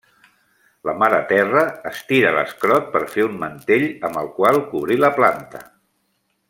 La Mare Terra estira l'escrot per fer un mantell amb el qual cobrir la planta.